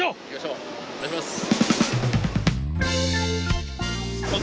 お願いします。